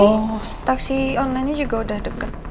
ini taksi online nya juga udah deket